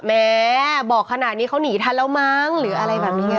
แม่บอกขนาดนี้เขาหนีทันแล้วมั้งหรืออะไรแบบนี้